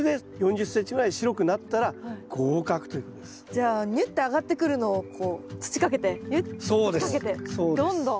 じゃあニュッて上がってくるのをこう土かけてニュッ土かけてどんどん。